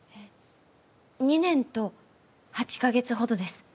２年と８か月ほどです。